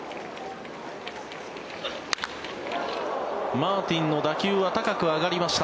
マーティンの打球は高く上がりました。